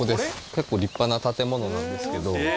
結構立派な建物なんですけど。